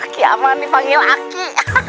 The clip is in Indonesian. ki aman dipanggil aki